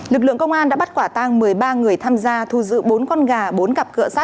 lực lượng công an đã bắt quả tang một mươi ba người tham gia thu giữ bốn con gà bốn cặp cửa sắt